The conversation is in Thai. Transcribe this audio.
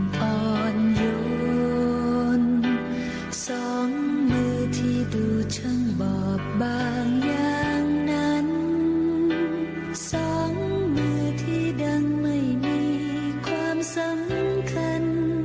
สองมือที่ดังไม่มีความสำคัญ